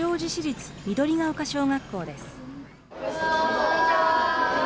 こんにちは。